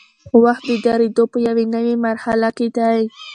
وخت د درېدو په یوې نوي مرحله کې دی.